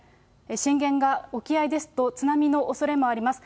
震源が沖合ですと、津波のおそれもあります。